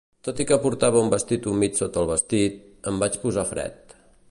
Tot i que portava un vestit humit sota el vestit, em vaig posar fred.